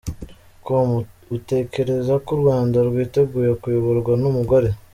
com : Utekereza ko u Rwanda rwiteguye kuyoborwa n’umugore ?.